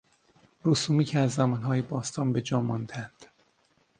رسومی که از زمانهای باستان به جاماندهاند